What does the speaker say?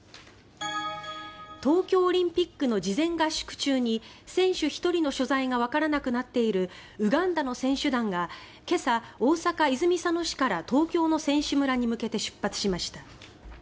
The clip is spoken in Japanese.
東京オリンピックの事前合宿中に選手１人の所在がわからなくなっているウガンダの選手団が今朝、大阪・泉佐野市から東京の選手村に向けて出発しました。